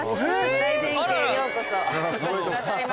財前家へようこそお越しくださいました。